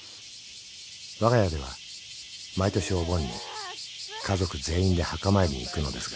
［わが家では毎年お盆に家族全員で墓参りに行くのですが］